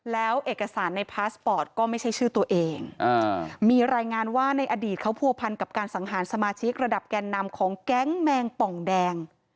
แล้วเอกสารในพาสปอร์ตก็ไม่ใช่ชื่อตัวเองมีรายงานว่าในอดีตเขาผัวพันกับการสังหารสมาชิกระดับแกนนำของแก๊งแมงป่องแดง